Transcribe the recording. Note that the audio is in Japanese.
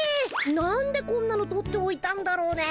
なんでこんなの取っておいたんだろうね。